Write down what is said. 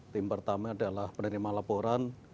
tim pertama adalah penerima laporan